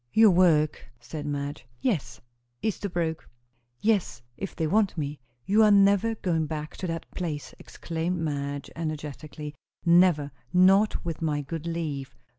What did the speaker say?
"Your work!" said Madge. "Yes." "Esterbrooke!" "Yes, if they want me." "You are never going back to that place!" exclaimed Madge energetically. "Never! not with my good leave.